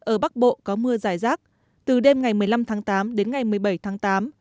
ở bắc bộ có mưa giải rác từ đêm ngày một mươi năm tháng tám đến ngày một mươi bảy tháng tám